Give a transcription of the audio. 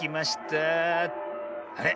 あれ？